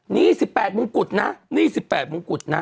นี่๑๘มงกุฎนะนี่๑๘มงกุฎนะ